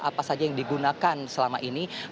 apa saja yang digunakan selama ini